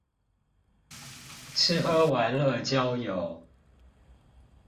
吃喝玩樂交友